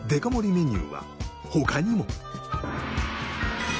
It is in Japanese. メニューは他にも。